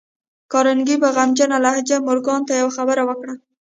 کارنګي په غمجنه لهجه مورګان ته يوه خبره وکړه.